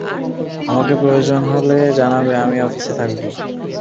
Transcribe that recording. আমাকে প্রয়োজন হলে জানাবে আমি অফিসে থাকবো।